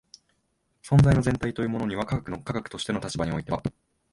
存在の全体というものには科学の科学としての立場においては